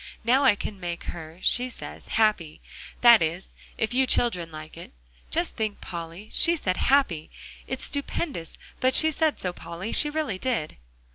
"Now I can make her, she says, happy, that is, if you children like it. Just think, Polly, she said happy! It's stupendous, but she said so, Polly, she really did!"